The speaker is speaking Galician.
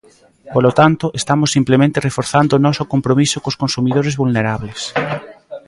Polo tanto, estamos simplemente reforzando o noso compromiso cos consumidores vulnerables.